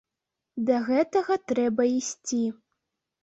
Да гэтага трэба ісці.